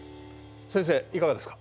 先生いかがですか？